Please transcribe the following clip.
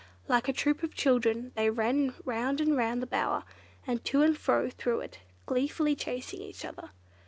Like a troop of children, they ran round and round the bower, and to and fro through it, gleefully chasing each other.